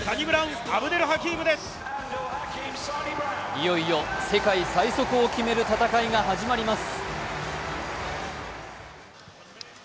いよいよ世界最速を決める戦いが始まります。